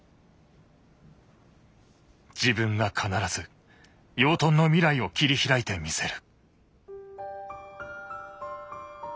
自分が必ず養豚の未来を切り開いてみせる。